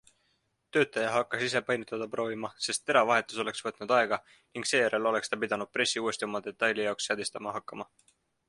Töötaja hakkas ise painutada proovima, sest tera vahetus oleks võtnud aega ning seejärel oleks ta pidanud pressi uuesti oma detaili jaoks seadistama hakkama.